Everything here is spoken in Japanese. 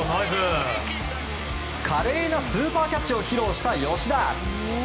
華麗なスーパーキャッチを披露した吉田。